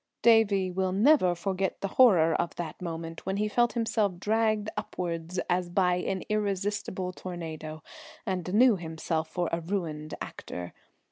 Davie will never forget the horror of that moment when he felt himself dragged upwards as by an irresistible tornado, and knew himself for a ruined actor.